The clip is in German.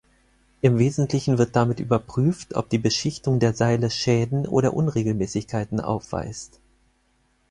Im Wesentlichen wird damit überprüft, ob die Beschichtung der Seile Schäden oder Unregelmäßigkeiten aufweist.